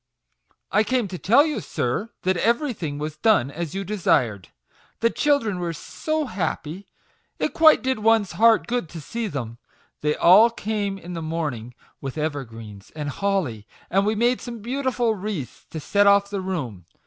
" I came up to tell you, sir, that everything was done as you desired, The children were so happy, it quite did one's heart good to see them. They all came in the morning with evergreens and holly, and we made some beau tiful wreaths to set off the room.